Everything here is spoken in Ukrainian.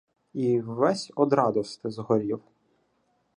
І ввесь од радости згорів.